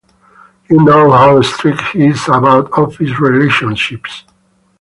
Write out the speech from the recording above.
You know how strict he is about office relationships.